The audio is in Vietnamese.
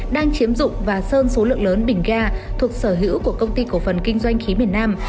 đang chiếm dụng và sơn số lượng lớn bình ga thuộc sở hữu của công ty cổ phần kinh doanh khí miền nam